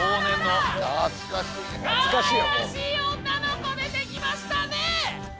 かわいらしい女の子出てきましたね！